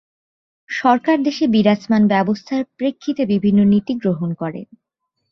সরকার দেশে বিরাজমান ব্যবস্থার প্রেক্ষিতে বিভিন্ন নীতি গ্রহণ করেন।